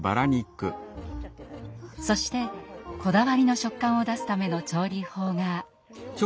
そしてこだわりの食感を出すための調理法が。